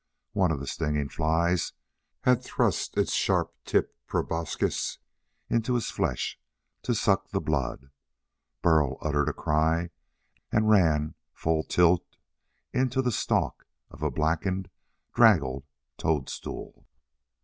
One of the stinging flies had thrust its sharp tipped proboscis into his flesh to suck the blood. Burl uttered a cry and ran full tilt into the stalk of a blackened, draggled toadstool.